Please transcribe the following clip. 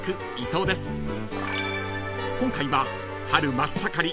［今回は春真っ盛り］